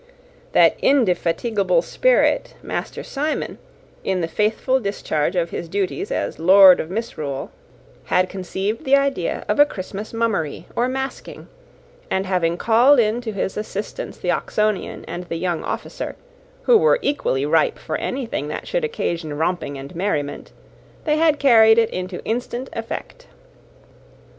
That indefatigable spirit, Master Simon, in the faithful discharge of his duties as Lord of Misrule, had conceived the idea of a Christmas mummery, or masking; and having called in to his assistance the Oxonian and the young officer, who were equally ripe for anything that should occasion romping and merriment, they had carried it into instant effect.